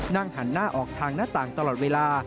นั่งหันหน้าออกทางหน้าต่างตลอดเวลา